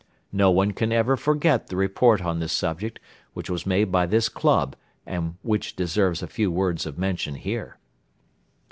No one can ever forget the report on this subject which was made by this Club and which deserves a few words of mention here.